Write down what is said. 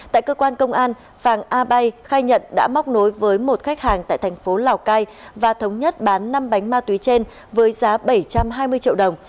tại cơ quan công an phàng a bay khai nhận đã móc nối với một khách hàng tại thành phố lào cai và thống nhất bán năm bánh ma túy trên với giá bảy trăm hai mươi triệu đồng